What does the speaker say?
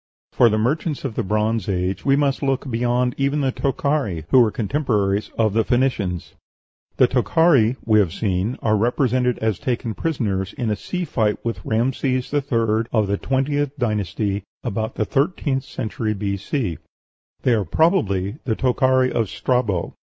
For the merchants of the Bronze Age we must look beyond even the Tokhari, who were contemporaries of the Phoenicians. The Tokhari, we have seen, are represented as taken prisoners, in a sea fight with Rhamses III., of the twentieth dynasty, about the thirteenth century B.C. They are probably the Tochari of Strabo.